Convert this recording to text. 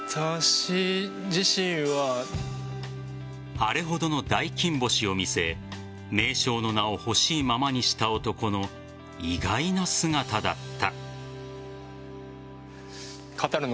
あれほどの大金星を見せ名将の名をほしいままにした男の意外な姿だった。